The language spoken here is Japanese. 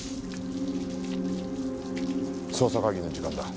捜査会議の時間だ。